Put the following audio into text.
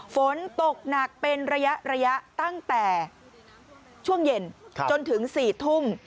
ฝนตกหนักเป็นระยะตั้งแต่ช่วงเย็นจนถึง๔ทุ่ม